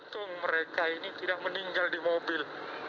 untung mereka ini tidak meninggal di mobil